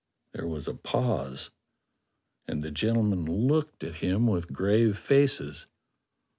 There was a pause, and the gentlemen looked at him with grave faces.